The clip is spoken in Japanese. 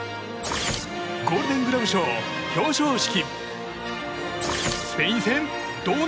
ゴールデン・グラブ賞表彰式。